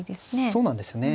そうなんですよね。